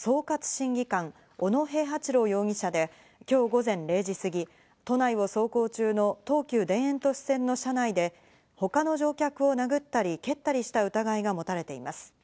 審議官・小野平八郎容疑者で今日午前０時過ぎ、都内を走行中の東急田園都市線の電車内で、他の乗客を殴ったり蹴ったりした疑いが持たれています。